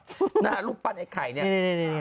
รูปหน้ารูปปั้นไอ้ไข่เนี่ย